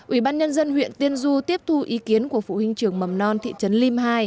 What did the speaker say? ủy ban nhân dân huyện tiên du tiếp thu ý kiến của phụ huynh trường mầm non thị trấn lim hai